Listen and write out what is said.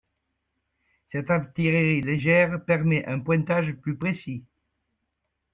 Cette artillerie légère permet un pointage plus précis.